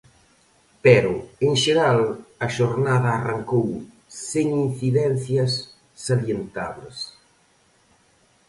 Pero, en xeral, a xornada arrancou sen incidencias salientables.